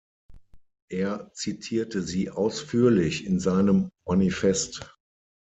Er zitierte sie ausführlich in seinem Manifest.